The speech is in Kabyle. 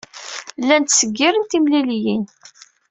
Llan ttseggiren timliliyin.